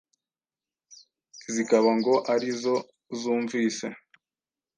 zikaba ngo ari zo zumvise